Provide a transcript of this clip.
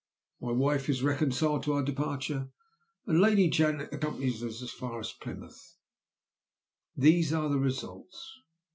My wife is reconciled to our departure; and Lady Janet accompanies us as far as Plymouth these are the results.